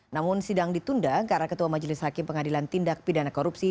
namun sidang ditunda karena ketua majelis hakim pengadilan tindak pidana korupsi